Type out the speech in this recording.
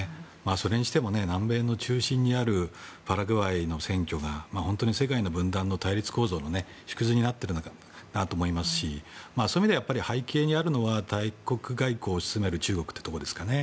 それにしても、南米の中心にあるパラグアイの選挙が本当に世界の分断の対立構造の縮図になっているなと思いますしそういう意味では背景にあるのは大国外交を進める中国ですかね。